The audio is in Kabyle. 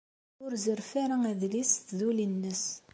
Ur zerref ara adlis s tduli-nnes.